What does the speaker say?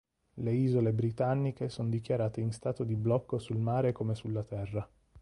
Le isole britanniche son dichiarate in stato di blocco sul mare come sulla terra.